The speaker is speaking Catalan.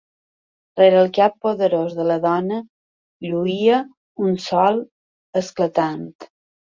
Rere el cap poderós de la dona lluïa un sol esclatant.